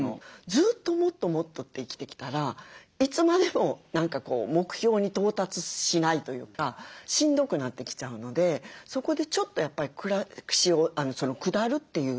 ずっともっともっとって生きてきたらいつまでも目標に到達しないというかしんどくなってきちゃうのでそこでちょっとやっぱり暮らしを下るという意味。